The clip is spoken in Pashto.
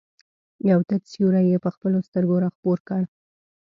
یو تت سیوری یې په خپلو سترګو را خپور کړ.